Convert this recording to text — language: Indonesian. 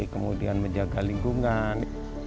kemudian menjaga lingkungan